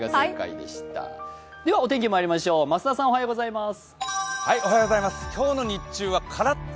ではお天気まいりましょう、増田さんおはようございます。